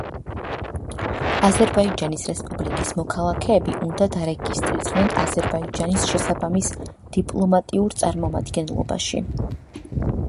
საზღვარგარეთ მოღვაწე აზერბაიჯანის რესპუბლიკის მოქალაქეები უნდა დარეგისტრირდნენ აზერბაიჯანის შესაბამის დიპლომატიურ წარმომადგენლობაში.